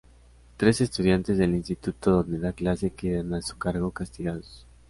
Tres estudiantes del instituto donde da clase quedan a su cargo castigados.